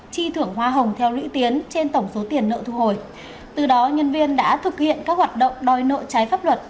chi thưởng hoa hồng theo lũy tiến trên tổng số tiền nợ thu hồi từ đó nhân viên đã thực hiện các hoạt động đòi nợ trái pháp luật